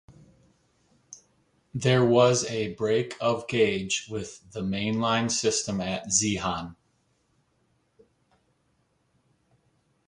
There was a break-of-gauge with the mainline system at Zeehan.